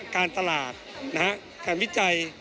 การตลาดการวิจัย